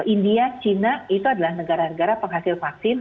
india china itu adalah negara negara penghasil vaksin